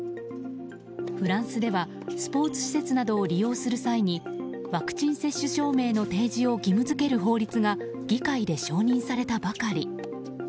フランスではスポーツ施設などを利用する際にワクチン接種証明の提示を義務付ける法律が議会で承認されたばかり。